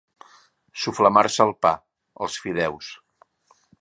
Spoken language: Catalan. Soflamar-se el pa, els fideus.